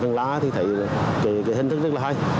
băng lá thì thấy cái hình thức rất là hay